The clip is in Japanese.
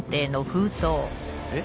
えっ？